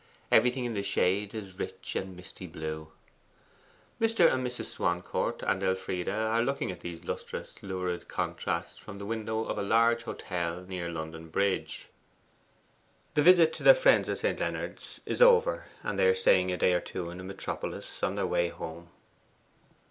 Everything in the shade is rich and misty blue. Mr. and Mrs. Swancourt and Elfride are looking at these lustrous and lurid contrasts from the window of a large hotel near London Bridge. The visit to their friends at St. Leonards is over, and they are staying a day or two in the metropolis on their way home.